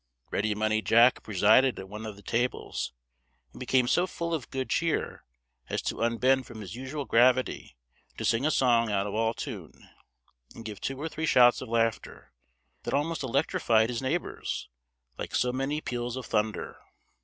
Ready Money Jack presided at one of the tables, and became so full of good cheer, as to unbend from his usual gravity, to sing a song out of all tune, and give two or three shouts of laughter, that almost electrified his neighbours, like so many peals of thunder.